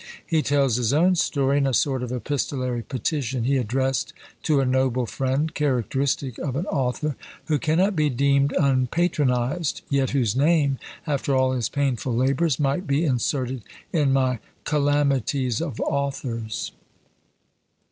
He tells his own story in a sort of epistolary petition he addressed to a noble friend, characteristic of an author, who cannot be deemed unpatronised, yet whose name, after all his painful labours, might be inserted in my "Calamities of Authors."